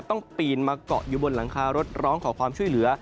ปีนมาเกาะอยู่บนหลังคารถร้องขอความช่วยเหลือ